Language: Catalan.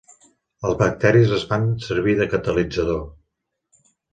Els bacteris es fan servir de catalitzador.